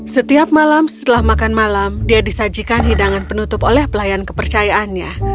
setiap malam setelah makan malam dia disajikan hidangan penutup oleh pelayan kepercayaannya